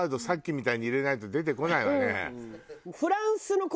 さっきみたいに入れないと出てこないわね。